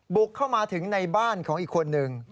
บุกเข้ามาถึงในบ้านของอีกคนนึง